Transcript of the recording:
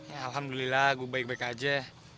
ya alhamdulillah gue baik baik aja